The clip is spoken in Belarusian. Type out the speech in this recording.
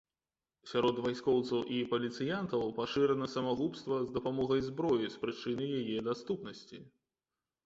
Сярод вайскоўцаў і паліцыянтаў пашырана самагубства з дапамогай зброі з прычыны яе даступнасці.